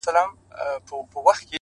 • لا تر څو به دي قسمت په غشیو ولي,